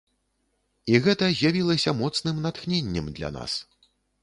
І гэта з'явілася моцным натхненнем для нас!